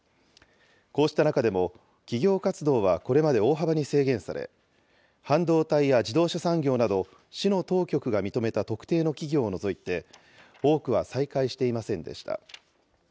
こうした中でも、企業活動はこれまで大幅に制限され、半導体や自動車産業など、市の当局が認めた特定の企業を除いて、多くは再開していませんでした。